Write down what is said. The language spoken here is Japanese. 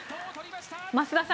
増田さん